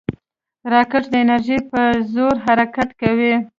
راکټ د انرژۍ په زور حرکت کوي